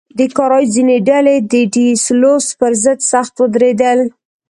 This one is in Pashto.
د کارایوس ځینې ډلې د ډي سلوس پر ضد سخت ودرېدل.